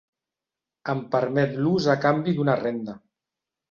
En permet l'ús a canvi d'una renda.